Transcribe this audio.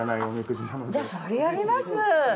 じゃあそれやります。